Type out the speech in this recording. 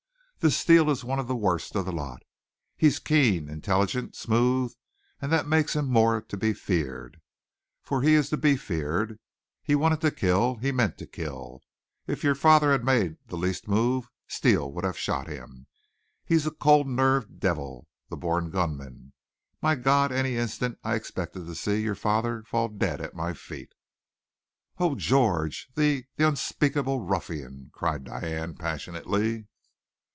"This Steele is one of the worst of the lot. He's keen, intelligent, smooth, and that makes him more to be feared. For he is to be feared. He wanted to kill. He meant to kill. If your father had made the least move Steele would have shot him. He's a cold nerved devil the born gunman. My God, any instant I expected to see your father fall dead at my feet!" "Oh, George! The the unspeakable ruffian!" cried Diane, passionately.